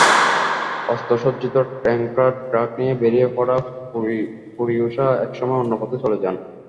অস্ত্রসজ্জিত tanker truck নিয়ে বেরিয়ে পড়া ফুরিওসা একসময় অন্য পথে চলে যান।